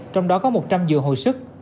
trong đó có một trăm linh dường hồi sức